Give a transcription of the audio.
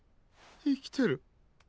生きてる。